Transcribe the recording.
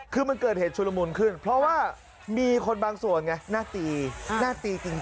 คือมันเกิดเหตุชุลมุนขึ้นเพราะว่ามีคนบางส่วนไงหน้าตีหน้าตีจริง